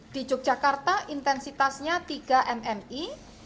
di yogyakarta intensitasnya tiga mmi